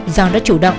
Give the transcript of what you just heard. do đã chủ động